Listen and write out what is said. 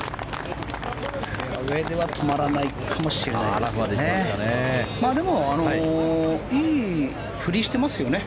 フェアウェーでは止まらないかもしれないですね。